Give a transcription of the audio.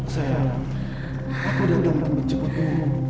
sayang aku datang untuk menjemputmu